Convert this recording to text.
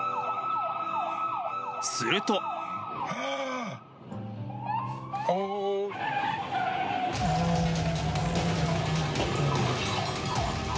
すると。